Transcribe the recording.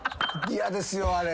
嫌ですよあれ。